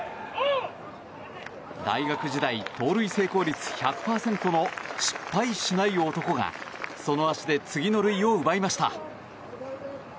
大学時代、盗塁成功率１００％の失敗しない男がその足で次の塁を奪いました。